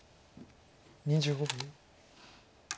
２５秒。